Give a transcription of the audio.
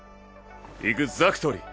イグザクトリー。